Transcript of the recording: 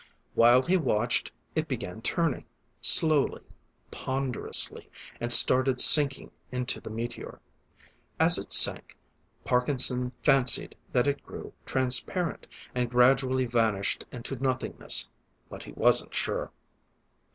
While he watched, it began turning slowly, ponderously, and started sinking into the meteor. As it sank, Parkinson fancied that it grew transparent, and gradually vanished into nothingness but he wasn't sure.